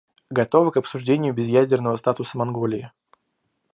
Готовы к обсуждению безъядерного статуса Монголии.